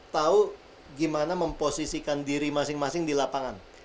tahu gimana memposisikan diri masing masing di lapangan